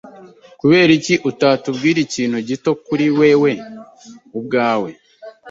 Kuberiki utatubwira ikintu gito kuri wewe ubwawe?